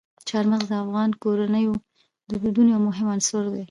چار مغز د افغان کورنیو د دودونو یو مهم عنصر دی.